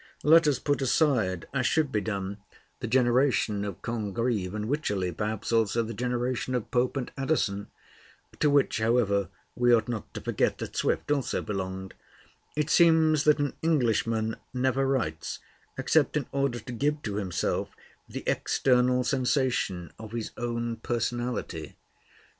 Let us put aside, as should be done, the generation of Congreve and Wycherley, perhaps also the generation of Pope and Addison, to which, however, we ought not to forget that Swift also belonged; it seems that an Englishman never writes except in order to give to himself the external sensation of his own personality.